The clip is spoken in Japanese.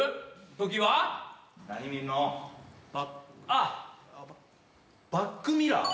あっバックミラー？